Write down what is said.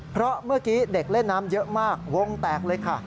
เพราะเมื่อกี้เด็กเล่นน้ำเยอะมากวงแตกเลยค่ะ